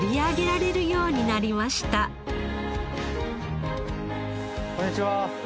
こんにちは。